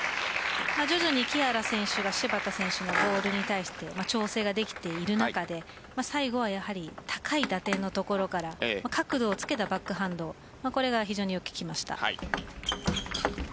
徐々に木原選手が芝田選手のボールに対して調整ができている中で最後はやはり高い打点の所から角度をつけたバックハンドこれが非常によく効きました。